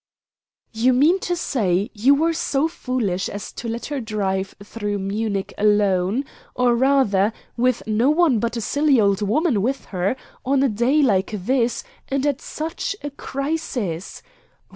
"You mean to say you were so foolish as to let her drive through Munich alone, or, rather, with no one but a silly old woman with her, on a day like this, and at such a crisis.